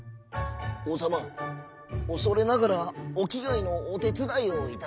おうさまおそれながらおきがえのおてつだいをいたしましょう」。